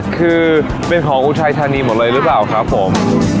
คือเป็นของอุทัยธานีหมดเลยหรือเปล่าครับผม